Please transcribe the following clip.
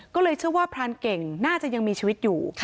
ก็เลยเชื่อว่าพรานเก่งน่าจะยังมีชีวิตอยู่